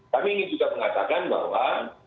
kami ingin juga mengatakan bahwa